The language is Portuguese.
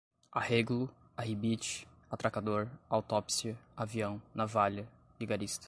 arrêglo, arribite, atracador, autópsia, avião, navalha, vigarista